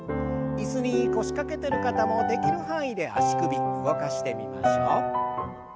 椅子に腰掛けてる方もできる範囲で足首動かしてみましょう。